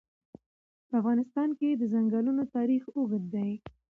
په افغانستان کې د چنګلونه تاریخ اوږد دی.